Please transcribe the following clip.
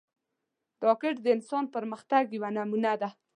راکټ د انسان پرمختګ یوه نمونه ده